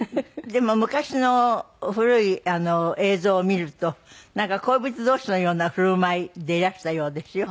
でも昔の古い映像を見るとなんか恋人同士のような振る舞いでいらしたようですよ。